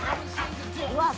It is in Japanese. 「うわっ！